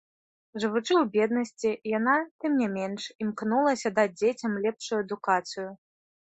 Жывучы ў беднасці, яна, тым не менш, імкнулася даць дзецям лепшую адукацыю.